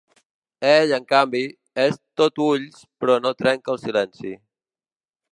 Ell, en canvi, és tot ulls però no trenca el silenci.